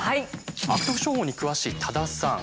悪徳商法に詳しい多田さん。